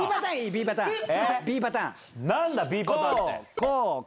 Ｂパターンって。